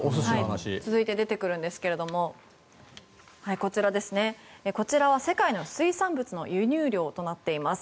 続いて出てくるんですけどもこちらは世界の水産物の輸入量となっています。